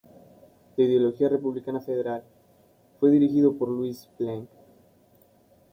De ideología republicana federal, fue dirigido por Luis Blanc.